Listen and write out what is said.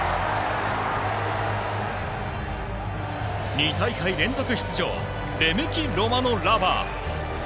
２大会連続出場レメキロマノラヴァ。